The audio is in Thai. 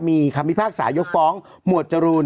มีคำพิพากษายกฟ้องหมวดจรูน